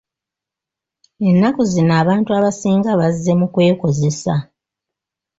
Ennaku zino abantu abasinga bazze mu kwekozesa.